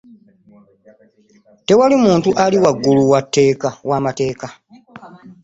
Teri muntu ali waggulu wa matteka.